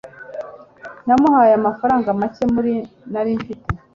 namuhaye amafaranga make nari mfite